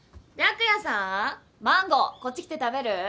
白夜さんマンゴーこっち来て食べる？